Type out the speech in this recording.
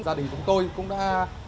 gia đình chúng tôi cũng đã